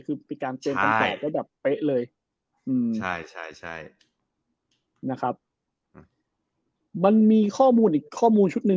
คือเป็นการเตรียมคำตอบได้แบบเป๊ะเลยอืมใช่ใช่นะครับมันมีข้อมูลอีกข้อมูลชุดหนึ่ง